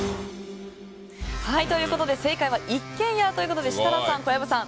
正解は一軒家ということで設楽さん、小籔さん